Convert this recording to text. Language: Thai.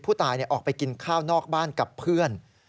ผู้ตายออกไปกินข้าวนอกบ้านกับเพื่อน